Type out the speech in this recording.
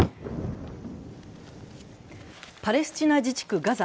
パレスチナ自治区ガザ。